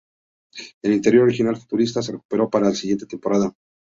El interior original futurista se recuperó para la siguiente temporada.